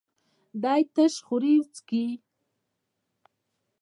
دی تش خوري څښي.